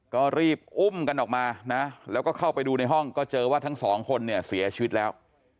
ก็รีบอุ้มกันออกมานะแล้วก็เข้าไปดูในห้องก็เจอว่าทั้งสองคนเนี่ยเสียชีวิตแล้ว